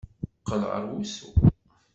Qqel ɣer wusu!